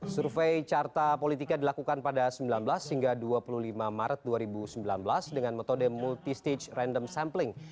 survei carta politika dilakukan pada sembilan belas hingga dua puluh lima maret dua ribu sembilan belas dengan metode multistage random sampling